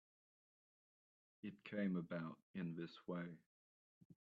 It came about in this way.